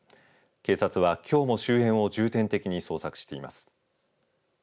警察は、きょうも周辺を重点的に捜索しています。